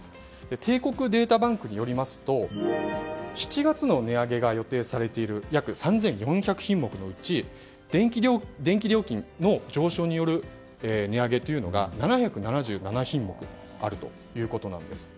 帝国データバンクによりますと７月の値上げが予定されている約３４００品目のうち電気料金の上昇による値上げというのが７７７品目あるということなんです。